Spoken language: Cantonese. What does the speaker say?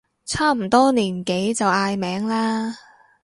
差唔多年紀就嗌名啦